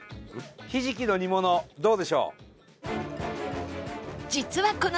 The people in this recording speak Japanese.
ひじきの煮物どうでしょう？